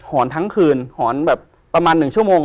อนทั้งคืนหอนแบบประมาณ๑ชั่วโมง